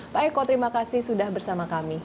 pak eko terima kasih sudah bersama kami